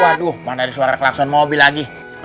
waduh mana ada suara kelangsungan mobil lagi